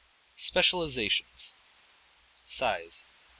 Specializations Size.